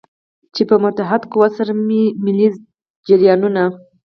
چې په متحد قوت سره ملي جریانونه.